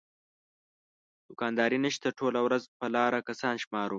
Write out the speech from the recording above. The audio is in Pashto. دوکانداري نشته ټوله ورځ په لاره کسان شمارو.